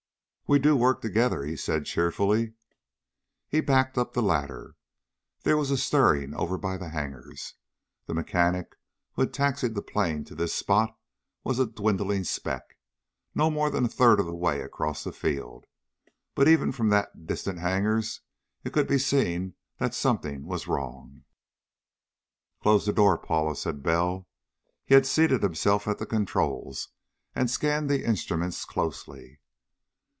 "We do work together!" he said cheerfully. But he backed up the ladder. There was a stirring over by the hangars. The mechanic who had taxied the plane to this spot was a dwindling speck, no more than a third of the way across the field. But even from the distant hangars it could be seen that something was wrong. "Close the door, Paula," said Bell. He had seated himself at the controls, and scanned the instruments closely.